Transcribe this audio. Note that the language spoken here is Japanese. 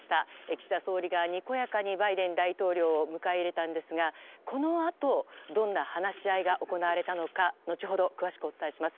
岸田総理が、にこやかにバイデン大統領を迎え入れたんですがこのあと、どんな話し合いが行われたのか後ほど詳しくお伝えします。